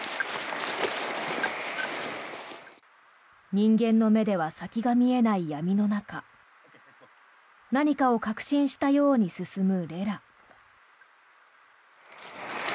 人間の目では先が見えない闇の中何かを確信したように進むレラ。